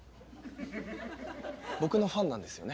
僕のファンなんですよね？